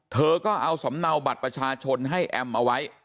เธอก็เอาสำเนาบัตรประชาชนให้แอมเอาไว้